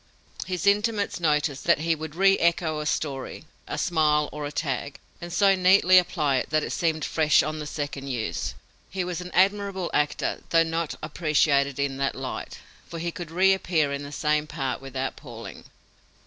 His intimates noticed that he would reecho a story a simile or a tag and so neatly apply it that it seemed fresh on the second use. He was an admirable actor, though not appreciated in that light; for he could reappear in the same part without palling.